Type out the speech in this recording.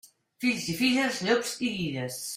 Fills i filles, llops i guilles.